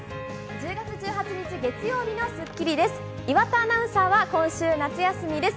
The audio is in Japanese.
１０月１８日、月曜日の『スッキリ』です。